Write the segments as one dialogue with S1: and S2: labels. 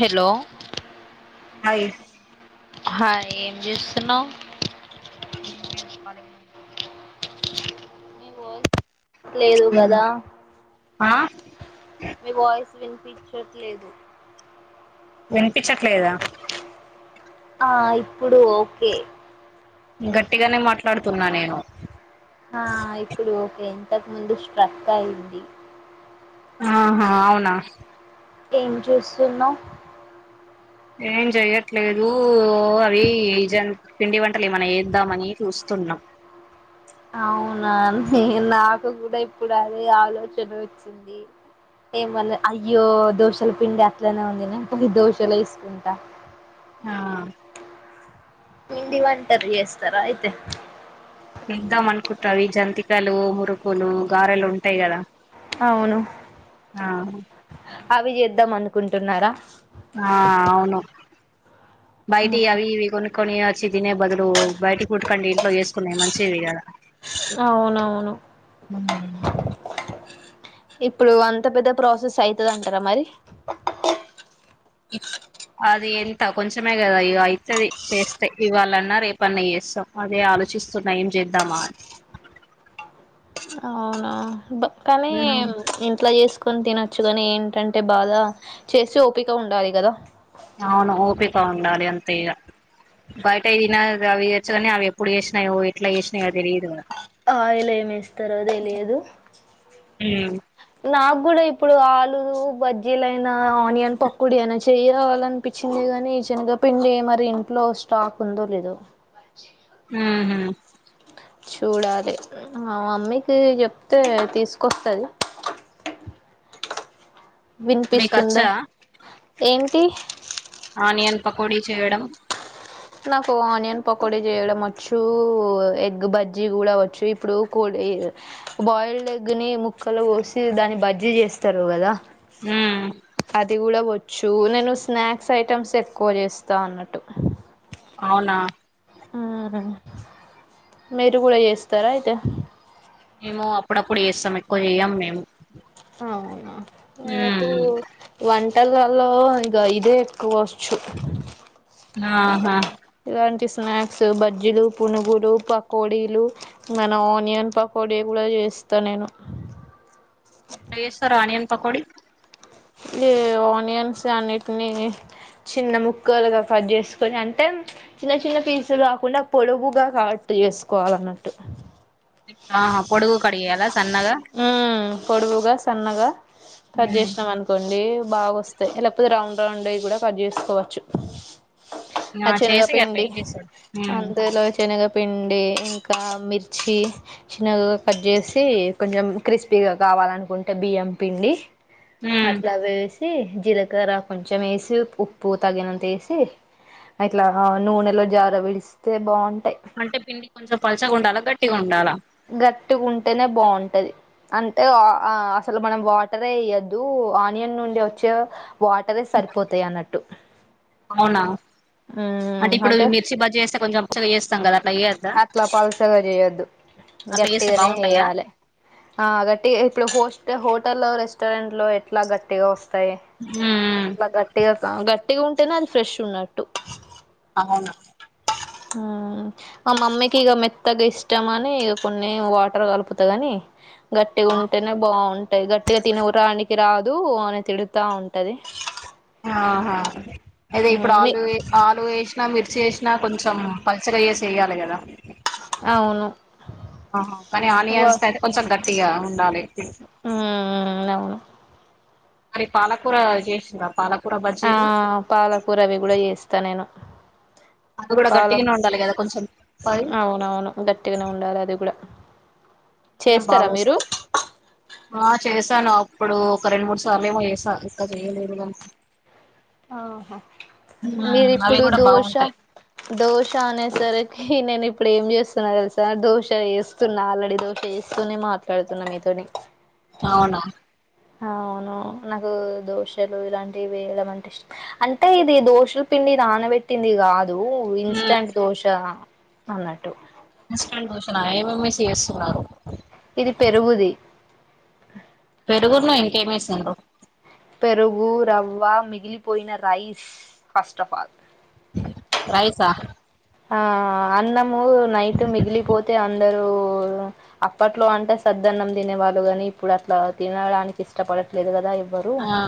S1: hello
S2: hi
S1: hi ఏంచేస్తున్నావ్
S2: ఏంలేదు కాలిగానే ఉన్నా
S1: నీ వా లేదు గదా
S2: ఆ
S1: మీ వాయిస్ వినిపించట్లేదు
S2: వినిపించట్లేదా
S1: ఆ ఇప్పుడు ఓకే
S2: గట్టిగానే మాట్లాడుతున్నా నేను
S1: ఆ ఇప్పుడు ఓకే ఇంతకు ముందు స్ట్రక్ అయింది
S2: ఆహా అవునా
S1: ఏం చూస్తున్నావ్
S2: ఏం చెయట్లేదు అవి జన్ పిండి వంటలే మన ఎద్దామని చూస్ స్తున్నం
S1: అవునా నే నాకు కూడా ఇప్పుడు అదే ఆలోచన వచ్చింది ఏమోలే అయ్యో దోశల పిండి అట్లనే ఉంది నే పోయి దోశలు ఎసుకుంటా
S2: ఆ
S1: పిండి వంటలు చేస్తర అయితే
S2: ఎద్దాం అనుకుంటా ఈ జంతికలు మురుకులు గారెలు ఉంటాయి కదా
S1: అవును
S2: ఆ
S1: అవి చేద్దాం అనుకుంటున్నారా
S2: ఆ అవును బయటియ్
S1: ఉమ్,
S2: అవి ఇవి కొనుకొని తినే బదులు బయట ఫుడ్ కంటే ఇంట్లో ఎసుకునే మంచివి కద
S1: అవును ఇప్పుడు అంత పెద్ద ప్రాసెస్ అయితదంటరా మరి
S2: ఇ అది ఎంత కొంచమే కదా ఇగ ఇత్తది చేస్తే ఇవాళన్నా రేపన్నా ఎస్తాం అదే ఆలోచిస్తున్నా ఏం చేద్దామా
S1: బ కానీ
S2: అని
S1: ఇంట్లో చేసు కొని తినచ్చు కాని ఏంటంటే బాధ చేసి ఓపిక ఉండాలి కదా
S2: అవును ఓపిక ఉండాలి అంతే ఇగ బయట తిన అవి వచ్చు కాని అవి ఎప్పుడు ఎసినాయో ఎట్లా ఎసినాయో తెలియదు కదా
S1: ఆ ఇల ఏమేస్తారో తెలియదు
S2: ఉమ్
S1: నాకు కూడా ఇప్పుడు ఆలు బజ్జీలయినా ఆనియన్ పకోడి అయినా చేయలనిపించింది కానీ శనగ పిండి మరి ఇంట్లో స్టాక్ ఉందో లేదో
S2: మ్ హు
S1: చూడాలి మా మమ్మీకి చెప్తే తీసుకొస్తది వినిపిస్తుందా
S2: మీకచ్చా
S1: ఏంటి
S2: ఆనియన్ పకోడీ చేయడం
S1: నాకు ఆనియన్ పకోడీ చేయడం వచ్చు ఎగ్ బజ్జీ కూడా వచ్చు ఇప్పుడు కోడి బాయిల్డ్ ఎగ్ని ముక్కలు గోసి దాని బజ్జీ చేస్తారు కదా
S2: హ్మ్
S1: అది కూడా వచ్చు నేను స్నాక్స్ ఐటమ్స్ ఎక్కువ చేస్తా అన్నట్టు
S2: అవునా
S1: మ్ హు మీరు కూడా చేస్తారా అయితే
S2: మేము అప్పుడప్పుడు చేస్తాం ఎక్కువ చేయం మేము
S1: అవునా నాకు
S2: ఉమ్
S1: వన్ టలలో ఇగ ఇదే ఎక్కువ వచ్చు
S2: ఆహా
S1: ఇలాంటి స్నాక్స్ బజ్జీలు పునుగులు పకోడీలు మన ఆనియన్ పకో డే కూడా చేస్తా నేను
S2: చేస్తారా ఆనియన్ పకోడి
S1: లే ఆనియన్సే అన్నిటిని చిన్న ముక్కలుగా కట్ చేసుకొని అంటే చిన్న చిన్న పీసులు కాకుండా పొడవుగా కా టు చేసుకోవాలన్నట్టు
S2: ఆహా పొడుగు కటు చేయలా
S1: ఉమ్మ్ పొడువుగా సన్నగా కట్
S2: ఉమ్
S1: చేసినాం అనుకోండి బాగోస్తాయ్ లేకపోతే రౌండ్ రౌండ్ అయి కూడా కట్ చేసుకోవచ్చు ఆ
S2: చేసి అట్లా
S1: చనగపిండి
S2: ఏం చేసారు ఉమ్
S1: అందులో చనగ పిండి ఇంకా మిర్చి చిన్నగా కట్ చేసి కొంచెం క్రిస్పీగా కావాలనుకుంటే బియ్యం పిండి
S2: ఉమ్
S1: అట్లా వేసి జీలకర్ర కొంచెం ఏసి ఉప్పు తగినంతేసి ఓట్లా నూనెలో జారా విడిస్తే బాగుం
S2: అంటే పిండి కొంచెం పల్చగా ఉండాలా గట్టిగా ఉండాలా
S1: గట్టుగుంటేనే బాగుంటది అంటే అసలు మనం వాటరే ఎయ్యద్దు ఆనియన్ నుండి వచ్చే వాటరే సరిపోతాయి అన్నట్టు
S2: అవునా అంటే ఇప్పుడు మిర్చి బజ్జి ఏస్తే కొంచెం పల్చగా చేస్తాం కదా అట్లా చేయొద్దా
S1: అట్లా పల్చగా చేయొద్దు
S2: అట్లా చేస్తే
S1: గట్టిగానే
S2: బాగుంటాయా
S1: చేయాలే ఆ గట్టిగా ఇప్పుడు కోస్తే హో టలో రెస్టారెంట్లో ఎట్లా గట్టిగా వస్తాయి
S2: ఉమ్
S1: అట్లా గట్టిగా గ ట్టిగా ఉంటేనే అది ఫ్రెష్ ఉన్నట్టు
S2: అవునా
S1: ఉమ్మ్ మా మమ్మీకి ఇగ మెత్తగా ఇష్టం అని ఇగ కొన్ని వాటర్ కలుపుతా గని గట్టిగుంటేనే బాగుం టాయి గట్టిగా తిన ఉరానికి రాదు అని తిడుతా ఉంటది
S2: ఆహా అదే ఇప్పుడు
S1: మీ
S2: ఆలుూ ఆలుూ ఎసి నా మిర్చి ఎసినా కొంచెం పల్చగా చేసి ఎయ్యాలి కదా
S1: అవును
S2: ఆహా కానీ ఆనియన్స్‌కైతే కొంచెం గట్టిగా ఉండాలి
S1: ఉమ్మ్ అవును
S2: అదే పాలకూర చేసిందా పాల
S1: ఆ పాలకూర అవి కూడా చేస్తా నేను
S2: అవి కూడా
S1: పాలం
S2: గట్టిగానే ఉండాలి కదా కొంచెం పై
S1: అవునవును గట్టిగానే ఉండాలి అది కూడా
S2: నే బాగా
S1: చేస్తారా మీరు
S2: వస్తాయి ఆ చే స్తాను అప్పుడు ఒక రెండు మూడు సార్లు ఏమో చేశా ఇంకా చెయలేదు ఇగ
S1: ఆహా మీరు
S2: అవి
S1: ఇప్పుడు
S2: కూడా
S1: దోశ
S2: బాగుంటాయి
S1: దోశ అనే సరి నేను ఇప్పుడు ఏం చేస్తున్నా తెలుసా దోశ ఏస్తున్నా ఆల్రెడీ దోశ ఏస్తూనే మాట్లాడుతున్నా మీ తోని
S2: అవునా
S1: అవును నాకు దోశలు ఇలాంటివి వేయడం అంటే ఇష్ట అంటే ఇది దోశలు పిం డి నానబెట్టింది కాదు ఇన్స్టంట్ దోశ అన్నట్టు
S2: ఇన్స్టెంట్ దోశనా ఏమేమి ఏసి చేస్తున్నారు
S1: ఇది పెరుగుది
S2: పెరుగురునే ఇంకేమేసిండ్రు
S1: పెరుగు రవ్వ మిగిలిపోయిన రైస్ ఫస్ట్ ఆఫ్ ఆల్
S2: రైసా
S1: ఆ అన్నము నైట్ మిగిలిపోతే అన్ అందరు అప్పట్లో అంటే సద్దన్నం తినే వాళ్ళు కాని ఇప్పుడు అట్లా తినడానికి ఇష్టపడరు పడట్లెదు కదా ఎవ్వరు
S2: ఆ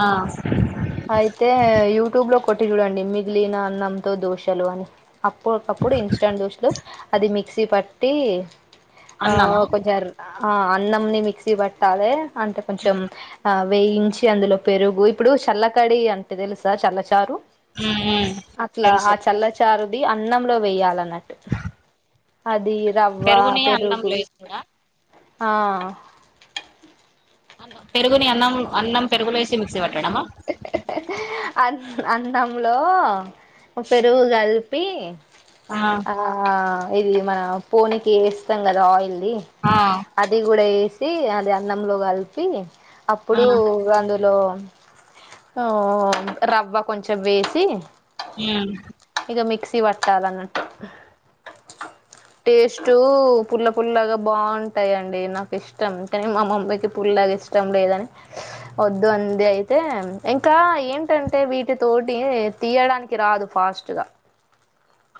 S2: ఆ
S1: అయితే యూట్యూబ్ లో పెట్టిన చూడండి మిగిలిన అన్నంతో దోసలు అప్పటికప్పుడు ఇన్స్టాంట్ దోశలు అది మిక్సీ పట్టి ఆ
S2: అన్నమా
S1: కొంచర్ అన్నం ని మిక్సీ పెట్టాలె అంటే కొంచెం ఆ వేయించి అందులో పెరుగు ఇప్పుడు చల్లకడి అంటే తెలుసా చల్లచారు
S2: మ్మ్ మ్మ్
S1: అట్లా ఆ
S2: తెలుసు
S1: చల్లచారుది అన్నంలో వేయాలన్నట్టు అది రవ్వ
S2: పెరుగుని అన్నం
S1: పెరుగు
S2: లేసుడా
S1: ఆ
S2: అన్నం పెరుగుని అన్నం అన్నం పెరుగులో వేసి మిక్సీ పెట్టడమా
S1: అన్నం లో పెరుగు కలిపి ఆ ఇది మన పోనికి వేస్తాం కదా ఆయిల్ ది
S2: ఆ
S1: అది కూడా ఏ యేసి అది అన్నంలో కలిపి
S2: ఆ
S1: అప్పుడు అందులో ఓ రవ్వ కొంచెం వేసి
S2: మ్మ్
S1: ఇంకా మిక్సి పట్టాలన్నట్టు టేస్టు పుల్ల పుల్లాగా బాగుంటాయిండి నాకు ఇష్టం కాని మా మమ్మీకి పుల్లాగా ఇష్టం లేద వద్దు అన్ ఇది అయితే ఇంకా ఏంటంటే వీటి తోటి తీయడానికి రాదు ఫాస్ట్ గా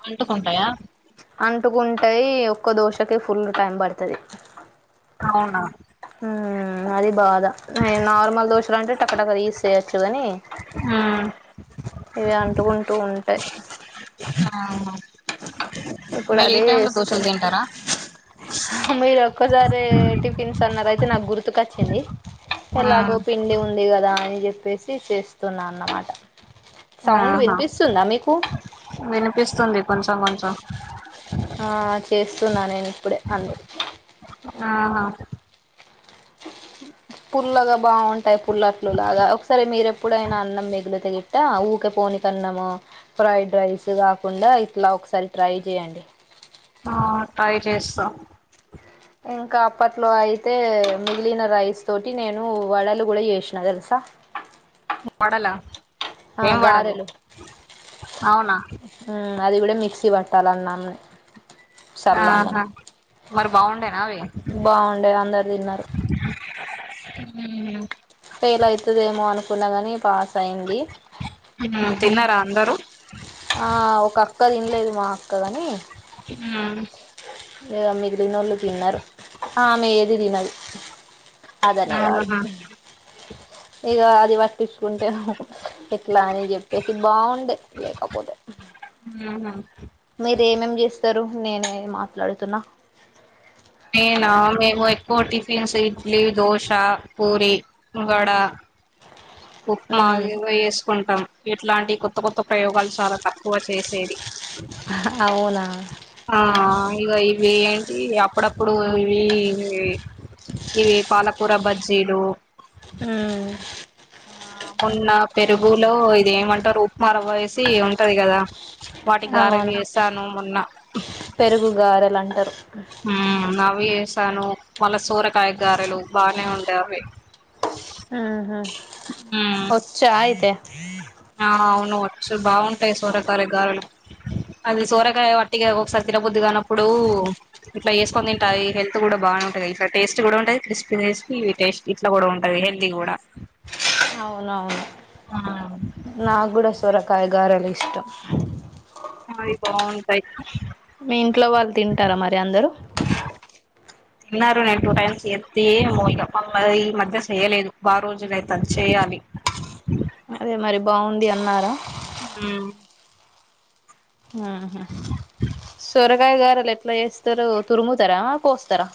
S2: అంటు కుంటాయా
S1: అంటుకుంటాయి ఒక్క దోశకే ఫుల్ టైం పడతాది
S2: అవునా
S1: మ్మ్ అది భాదా నార్మల్ దోశ లంటే ట త్వరగా తీసెయచ్చు కాని
S2: మ్మ్
S1: ఇవి అంటుకుంటూ ఉంటాయి అహ్
S2: అవున
S1: ఇప్పుడు అదే వేస్తున్న మీరు ఒక్కసారే టిఫిన్స్ అన్నారు అయితే నాకు గుర్తుకు వచ్చి ఎలాగో
S2: మ్మ్
S1: పిండి ఉంది కదా అని చెప్పేసి చేస్తున్నా అన్నమాట సౌండ్
S2: ఆహా
S1: వినిపిస్తుందా మీకు
S2: వినిపిస్తుంది కొంచెం కొంచెం
S1: ఆ చేస్తున్నా నేను ఇప్పుడే అందు
S2: అవునా
S1: పుల్లగా బాగుంటాయి పుల్లట్లులాగా ఒకసారి మీరెప్పుడైనా అన్నం మిగిలితే గిట్ట ఊకె పోని కన్నము ఫ్రైడ్ రైస్ కాకుండా ఇట్లా ఒకసారి ట్రై చేయండి
S2: ఆ ట్రై చేస్తా
S1: ఇంకా అప్పట్లో అయితే మిగిలిన రైస్ తోటి నేను వడలు కూడా చేసిన తెలుసా
S2: వడల
S1: ఆ
S2: ఏం వడలు
S1: గారెలు
S2: అవునా
S1: ఉమ్, అది కూడ మిక్సీ పట్టాల అన్నాం ని
S2: ఆహా మరి బాగుండేనా అవి
S1: బాగుండేది అందరు తిన్నారు
S2: మ్మ్
S1: ఫెయిల్ అయితాది ఏమో అనుకున్నా కాని పాస్ అయింది
S2: ఉమ్, తిన్నారా అందరూ
S1: ఆ ఒక అక్క తినలేదు మా అక్క గాని
S2: ఉనా
S1: ఇంగా మిగిలిన్నోళ్ళు తిన్నారు ఆమె ఏది తినదు
S2: ఆహా
S1: ఆధన్యవాదాలు అది పట్టించుకుంటే ఎట్లా అని చెప్పేసి బాగుండే లేకపోతే
S2: ఉహు
S1: మీరు ఏమేం చేస్తారు నేనే మాట్లాడుతున్నా
S2: నేనా మేము ఎక్కువ టిఫిన్స్ ఇడ్లీ దోశ పూరి వడ ఉప్మా ఇవ వేసుకుంటాం ఇట్లాంటి కొత్త కొత్త ప్రయోగాలు చాలా తక్కువ చేసేది
S1: అవునా
S2: ఆ ఇగా ఇవి ఏంటి అ అప్పుడప్పుడు ఇవి ఇవి పాలకూర బజ్జీలు
S1: ఆ
S2: ఆ మొన్న పెరుగులో ఇది ఏమంటారు ఉప్మా రవ్వ వేసి ఉంటది కదా వాటి గారలు
S1: అవును
S2: చేసాను మొన్న
S1: పెరుగు గారెలు అంటారు
S2: అవవి చేసాను మళ్ళ సూరకాయగారలు బానే ఉండేవి మ్మ్
S1: వచ్చ అయితే
S2: ఆ అవును వచ్చు బాగుంటాయి సోరకార గారులు అది సోరకాయ వట్టిగా ఒకసారి తినబుద్దిగానప్పుడు ఇట్లా వేసుకొని తింటాయి హెల్త్ కూడా బాగా బా ఉంటది ఇట్లా టేస్ట్ కూడా ఉంటది క్రిస్పీ టేస్ట్ ఇట్లా కూడా ఉంటది హెల్దీ కూడా
S1: అవునవును
S2: ఆ
S1: నా కూడా సొరకాయ గారలు ఇష్టం
S2: అయి బాగుంటాయ
S1: మీ ఇంట్లో వాళ్ళు తింటారా మరి అందరూ
S2: అన్నారు నేను టూ టైమ్స్ ఎస్తతే ఏమో ఇకమ్ ఈ మధ్య చేయలేదు బా రోజున అైతే అది చెయాలి అ
S1: అదే మరి బాగుంది అన్నారు
S2: ఉమ్
S1: అహ సోర్ కాయ గారలు ఎట్లా చేస్తారో తురుముతారా కోస్తారా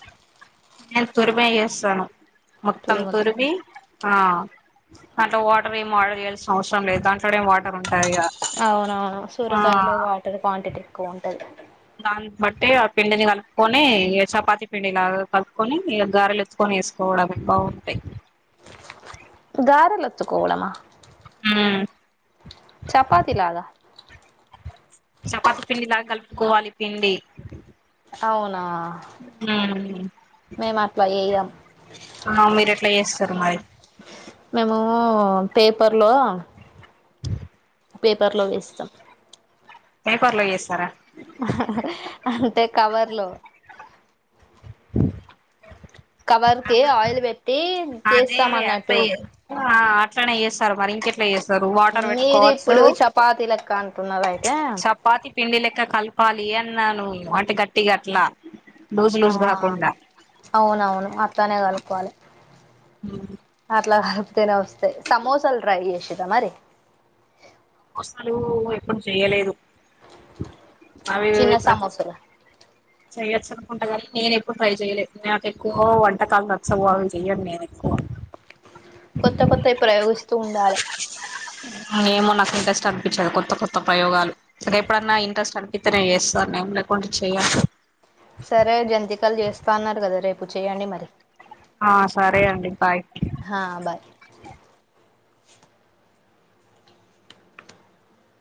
S2: నేను తురుమి చేస్తాను మొత్తం
S1: తురుముతారా
S2: తుర్మి ఆ అంటే వాటర్ ఏ వాడర్ చేయాల్సిన అవసరం లేదు అంట
S1: అవునవును
S2: ఆ
S1: సూరకాయలు వాటర్ క్వాంటిటీ ఎక్కువ ఉంటది
S2: దాని బట్టి ఆ పిండిని కలుపుకొనిక చపాతి పిండిలాగా కలుపుకొని ఇక గారలు ఎత్ వేసుకోవడమే బాగుంటాయి
S1: గారెలు ఒత్తుకోవాలా
S2: ఉమ్మ్
S1: చపాతి లాగా
S2: చపాతి పిండి లాగా కలుపుకోవాలి పిండి
S1: అవునా
S2: ఉమ్
S1: మేము అట్లా చెయ్యం
S2: ఆ మీరు ఎట్లా చేస్తారు మరి
S1: మేము పేపర్ లో పేపర్లో చేస్తాం
S2: పేపర్ లో ఎస్తా
S1: అంటే కవర్ లో కవర్ కి
S2: ఆహా
S1: ఆయిల్ పెట్టి చేస్తాం అన్నట్టు
S2: ఎట్నే చేస్తారు మరి ఇంకెట్లా చేస్తారు సారు వాటర్
S1: మీరు
S2: పెట్టుకోవచ్చు
S1: ఇప్పుడు చపాతీ లెక్క అంటున్నారు అయితే
S2: చపాతి పిండి లెక్క కలపాలి అన్నాను అటు గట్టిగా అట్లా లూజ్
S1: ఆ
S2: లూజ్ కాకుండా
S1: అవునవును అట్లనే కలుపుకోవాలి
S2: ఉం
S1: అట్లా కలిపితేనే వస్తాయి సమోసాలు ట్రై చేసిదా మరి
S2: అసలు ఎప్పుడు చెయలేదు అవి
S1: చిన్న సమోసాలు
S2: చేయొచ్చు అనుకుంటగానీ నేను ఎప్పుడు ట్రై చెయలే నాకు ఎక్కువ వంటకాలు నచ్చవు అవు చెయ్యను నేను ఎక్కువ
S1: కొత్త కొత్తయి ప్రయోగిస్తూ ఉండాలి
S2: ఏమో నాకు ఇంట్రెస్ట్ అనిపించదు కొత్త కొత్త ప్రయోగాలు ఎప్పుడన్నా ఇంట్రెస్ట్ అనిపిత్తే నేను చేస్తాను కొ [unintelligible] చే
S1: సరే జంతికలు చేస్తాన్నారు కదా రేపు చెయ్యడి మరి
S2: ఆ సరే అండి బాయ్
S1: హా బాయ్